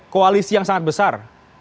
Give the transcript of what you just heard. koalisi yang sangat besar